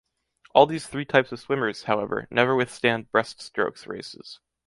All these three types of swimmers, however, never withstand breaststrokes races.